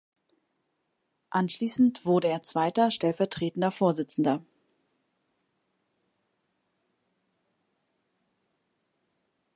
Anschließend wurde er zweiter stellvertretender Vorsitzender.